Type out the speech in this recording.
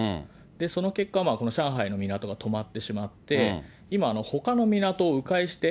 その結果、この上海の港が止まってしまって、今、ほかの港をう回して、